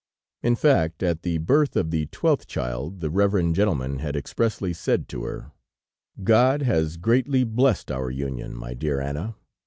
In fact, at the birth of the twelfth child, the reverend gentleman had expressly said to her: "God has greatly blessed our union, my dear Anna.